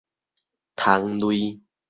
蟲類